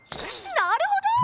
なるほど！